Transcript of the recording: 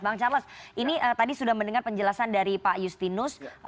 bang charles ini tadi sudah mendengar penjelasan dari pak justinus